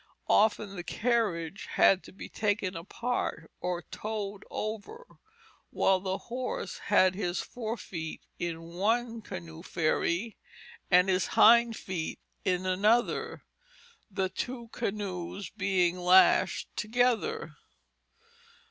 Often the carriage had to be taken apart, or towed over, while the horse had his fore feet in one canoe ferry and his hind feet in another, the two canoes being lashed together.